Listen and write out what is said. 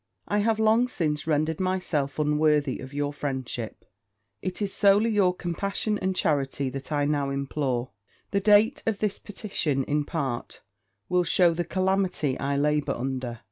I have long since rendered myself unworthy your friendship it is solely your compassion and charity that I now implore. The date of this petition, in part, will shew you the calamity I labour under.